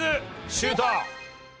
シュート！